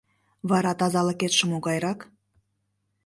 — Вара тазалыкетше могайрак?